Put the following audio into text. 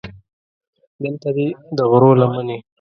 دلته دې د غرو لمنې.